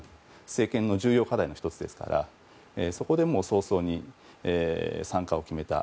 政権の重要課題の１つですからそこでも早々に参加を決めた。